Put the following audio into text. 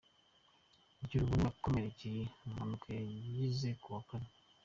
Girubuntu yakomerekeye mu mpanuka yagize ku wa Kane.